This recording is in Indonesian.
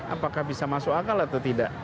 apakah bisa masuk akal atau tidak